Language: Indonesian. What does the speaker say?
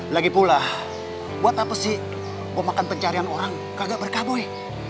lagipula buat apa sih gua makan pencarian orang kagak berkah boy